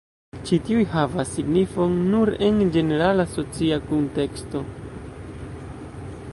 Ĉi tiuj havas signifon nur en ĝenerala socia kunteksto.